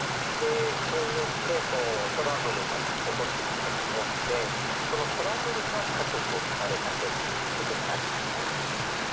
それによってトラブルが起こってくることも多くてそのトラブルが家族を疲れさせるってことになりますね。